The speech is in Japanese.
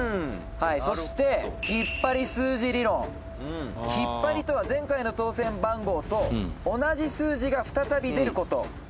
「そして引っ張り数字理論」「引っ張りとは前回の当せん番号と同じ数字が再び出る事」